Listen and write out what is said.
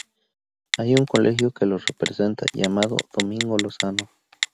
Hay un colegio que lo representa, llamado "Domingo Lozano"